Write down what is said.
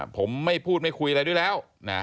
ผมไม่พูดไม่คุยอะไรด้วยแล้ว